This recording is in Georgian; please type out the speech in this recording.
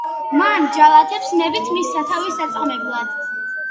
მან ჯალათებს ნებით მისცა თავი საწამებლად.